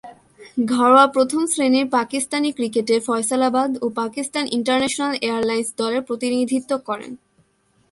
ঘরোয়া প্রথম-শ্রেণীর পাকিস্তানি ক্রিকেটে ফয়সালাবাদ ও পাকিস্তান ইন্টারন্যাশনাল এয়ারলাইন্স দলের প্রতিনিধিত্ব করেন।